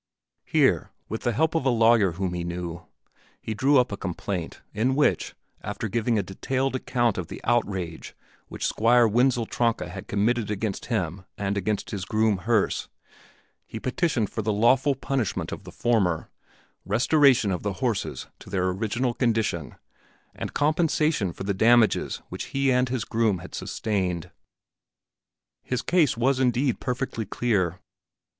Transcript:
Here, with the help of a lawyer whom he knew, he drew up a complaint, in which, after giving a detailed account of the outrage which Squire Wenzel Tronka had committed against him and against his groom Herse, he petitioned for the lawful punishment of the former, restoration of the horses to their original condition, and compensation for the damages which he and his groom had sustained. His case was indeed perfectly clear.